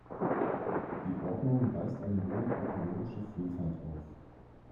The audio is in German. Die Ordnung weist eine hohe ökologische Vielfalt auf.